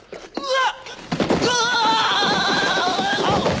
うわっ！